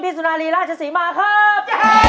พี่สุนาลีราชสีมาครับ